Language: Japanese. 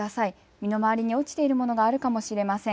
身の回りに落ちているものがあるかもしれません。